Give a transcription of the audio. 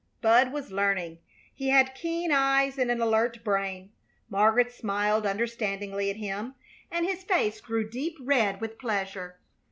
Bud was learning. He had keen eyes and an alert brain. Margaret smiled understandingly at him, and his face grew deep red with pleasure.